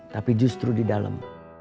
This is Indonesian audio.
tapi justru di dalam